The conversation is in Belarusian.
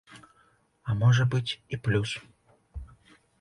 А можа быць, і плюс.